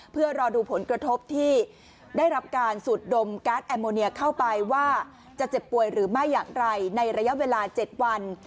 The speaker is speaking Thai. เพื่อรอดูผลกระทบที่ได้รับการสูดดมการ์ดแอมโมเนียเข้าไปว่าจะเจ็บป่วยหรือไม่อย่างไรในระยะเวลา๗วัน